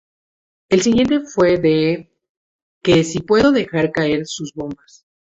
El siguiente fue De, que sí pudo dejar caer sus bombas.